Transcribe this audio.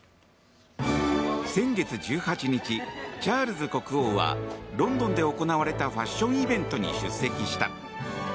先月１８日、チャールズ国王はロンドンで行われたファッションイベントに出席した。